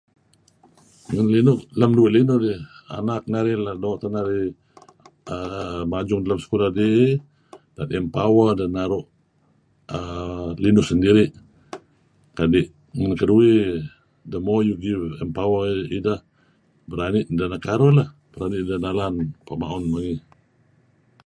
Uih ngelinuh lem linuh kudih anak narih doo' teh narih err majung deh lem sekulah dih empower deh naru' err linuh sendiri' kadi' ngen keduih the more you [unintelligible] empower idah berani' idah nekaruh lah berani' idah nalan pehma'un muyuh.